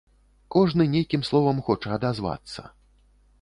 Кожны нейкім словам хоча адазвацца.